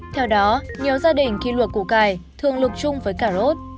theo đó nhiều gia đình khi luộc củ cải thường lục chung với cà rốt